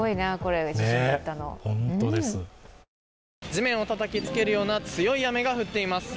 地面をたたきつけるような強い雨が降っています。